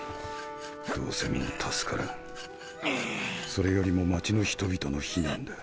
それよりも街の人々の避難だ。